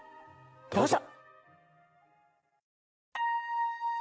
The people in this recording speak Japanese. どうぞ。